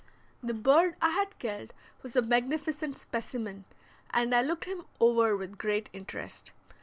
The bird I had killed was a magnificent specimen, and I looked him over with great interest.